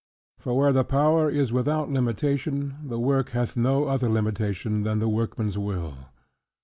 For where the power is without limitation, the work hath no other limitation, than the workman's will.